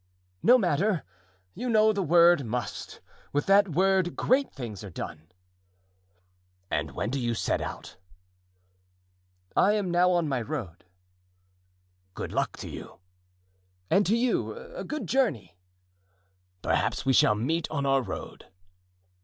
"No matter; you know the word must; with that word great things are done." "And when do you set out?" "I am now on my road." "Good luck to you." "And to you—a good journey." "Perhaps we shall meet on our road."